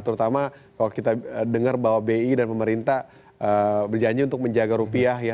terutama kalau kita dengar bahwa bi dan pemerintah berjanji untuk menjaga rupiah ya